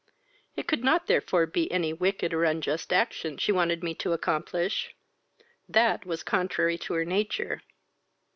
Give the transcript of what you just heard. It could not therefore be any wicked or unjust action she wanted me to accomplish; that was contrary to her nature.